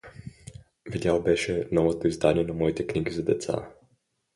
Видял беше новото издание на моите книги за деца.